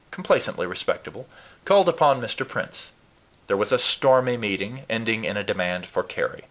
complacently respectable, called upon Mr. Prince. There was a stormy meeting, ending in a demand for Carry.